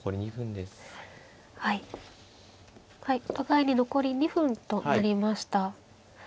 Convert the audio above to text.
お互いに残り２分となりました。